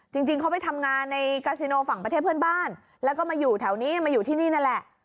จริงเขาไปทำงานในกาซิโนฝั่งประเทศเพื่อนบ้านแล้วก็มาอยู่แถวนี้มาอยู่ที่นี่นั่นแหละ